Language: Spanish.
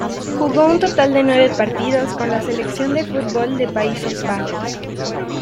Jugó un total de nueve partidos con la selección de fútbol de Países Bajos.